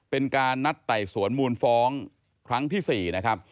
เป็นการนัดไต่สวนมูลฟ้องครั้งที่๔นะครับ